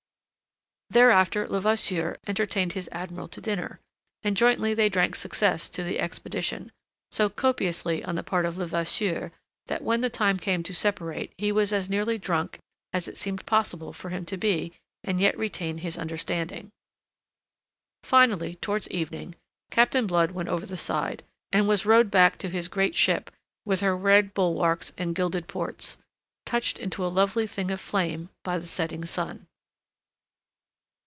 Thereafter Levasseur entertained his admiral to dinner, and jointly they drank success to the expedition, so copiously on the part of Levasseur that when the time came to separate he was as nearly drunk as it seemed possible for him to be and yet retain his understanding. Finally, towards evening, Captain Blood went over the side and was rowed back to his great ship with her red bulwarks and gilded ports, touched into a lovely thing of flame by the setting sun.